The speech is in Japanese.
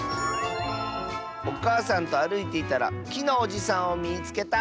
「おかあさんとあるいていたらきのおじさんをみつけた！」。